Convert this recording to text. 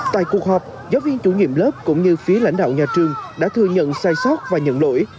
tại cuộc họp giáo viên chủ nhiệm lớp cũng như phía lãnh đạo nhà trường đã thừa nhận sai sót và nhận lỗi